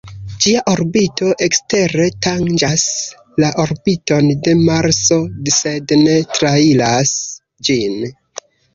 Ĝia orbito ekstere tanĝas la orbiton de Marso sed ne trairas ĝin.